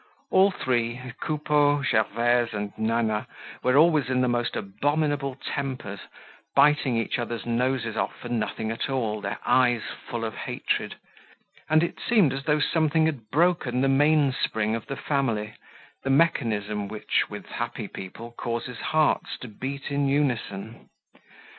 All three—Coupeau, Gervaise and Nana—were always in the most abominable tempers, biting each other's noses off for nothing at all, their eyes full of hatred; and it seemed as though something had broken the mainspring of the family, the mechanism which, with happy people, causes hearts to beat in unison.